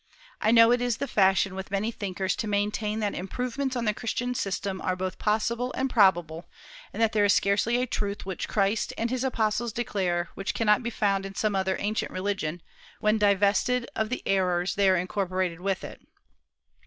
I know it is the fashion with many thinkers to maintain that improvements on the Christian system are both possible and probable, and that there is scarcely a truth which Christ and his apostles declared which cannot be found in some other ancient religion, when divested of the errors there incorporated with it.